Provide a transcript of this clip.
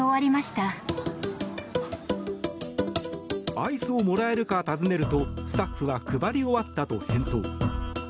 アイスをもらえるか尋ねるとスタッフは配り終わったと返答。